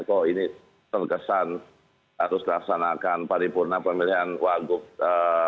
kok ini terkesan harus dilaksanakan pari kurna pemilihan wakil